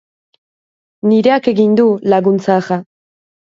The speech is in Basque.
Nireak egin du, lagun zaharra.